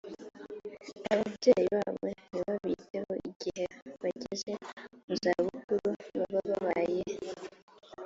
ababyeyi babo ntibabiteho igihe bageze mu za bukuru baba babaye